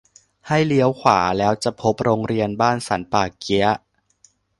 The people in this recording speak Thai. ให้เลี้ยวขวาแล้วจะพบโรงเรียนบ้านสันป่าเกี๊ยะ